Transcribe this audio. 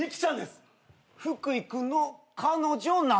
福井君の彼女なんだ。